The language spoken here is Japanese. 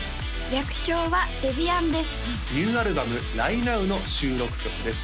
ニューアルバム「らいなう」の収録曲です